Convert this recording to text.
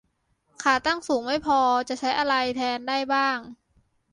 ขาตั้งสูงไม่พอ ใช้อะไรแทนได้บ้าง